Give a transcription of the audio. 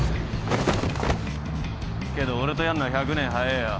けど俺とやんのは１００年早えよ。